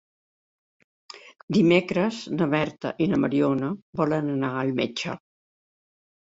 Dimecres na Berta i na Mariona volen anar al metge.